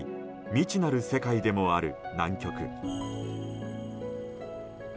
未知なる世界でもある南極。